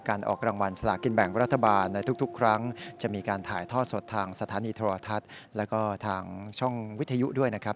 ออกรางวัลสลากินแบ่งรัฐบาลในทุกครั้งจะมีการถ่ายทอดสดทางสถานีโทรทัศน์แล้วก็ทางช่องวิทยุด้วยนะครับ